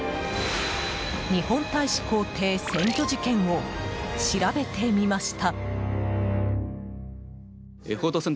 日本大使公邸占拠事件を調べてみました。